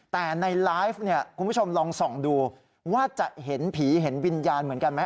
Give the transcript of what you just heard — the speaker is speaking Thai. แต่ในไลฟ์เนี่ยคุณผู้ชมลองส่องดูว่าจะเห็นผีเห็นวิญญาณเหมือนกันไหม